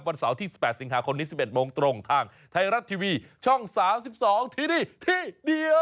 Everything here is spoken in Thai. เสาร์ที่๑๘สิงหาคมนี้๑๑โมงตรงทางไทยรัฐทีวีช่อง๓๒ที่นี่ที่เดียว